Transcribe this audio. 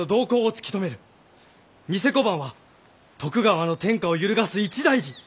贋小判は徳川の天下を揺るがす一大事。